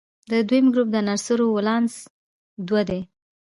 د دویم ګروپ د عنصرونو ولانس دوه دی.